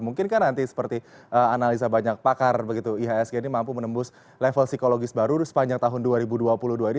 mungkin kan nanti seperti analisa banyak pakar begitu ihsg ini mampu menembus level psikologis baru sepanjang tahun dua ribu dua puluh dua ini